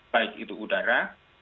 baik itu udara